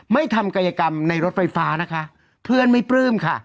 ไม่ทำกายกรรมในรถไฟฟ้านะคะเพื่อนไม่ปลื้มค่ะ